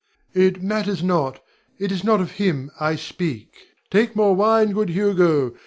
It matters not; 'tis not of him I speak. Take more wine, good Hugo.